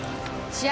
試合